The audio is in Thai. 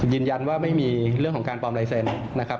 ยืนยันว่าไม่มีเรื่องของการปลอมลายเซ็นต์นะครับ